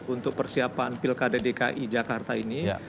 untuk persiapan pil kd dki jakarta ini